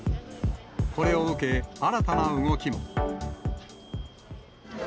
これを受け、新たな動きも。